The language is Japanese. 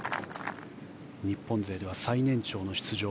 日本勢では最年長の出場